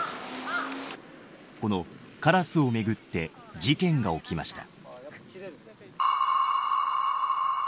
このカラスをめぐって事件が起きました。